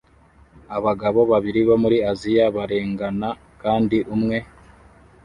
Abagabo babiri bo muri Aziya barengana kandi umwe